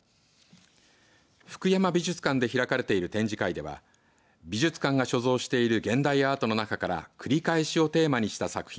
ふくやま美術館で開かれている展示会では美術館が所蔵している現代アートの中から繰り返しをテーマにした作品